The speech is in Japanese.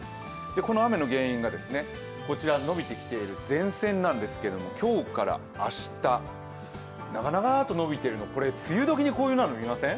この雨の原因がこちら延びてきている前線なんですけれども、今日から明日、長々と伸びているのは、梅雨時にこういうの見ません？